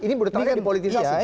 ini berarti di politisasi